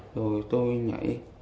rồi tôi nhảy